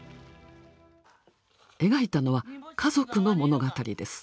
描いたのは家族の物語です。